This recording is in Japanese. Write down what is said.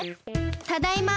ただいま。